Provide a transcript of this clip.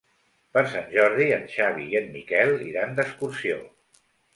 Per Sant Jordi en Xavi i en Miquel iran d'excursió.